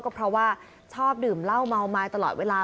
ก็เพราะว่าชอบดื่มเหล้าเมาไม้ตลอดเวลา